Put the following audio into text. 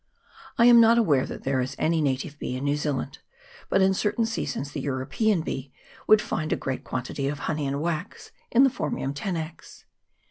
I am not aware that there is any native bee in New Zealand, but in cer tain seasons the European bee would find a great quantity of honey and wax in the Phormium tenax.